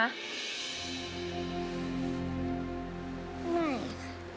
ไม่ค่ะ